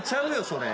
それ。